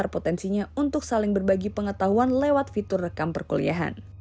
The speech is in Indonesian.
potensinya untuk saling berbagi pengetahuan lewat fitur rekam perkuliahan